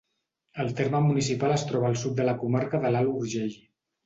El terme municipal es troba al sud de la comarca de l'Alt Urgell.